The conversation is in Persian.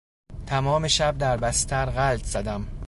تمام شب در بستر غلت زدم.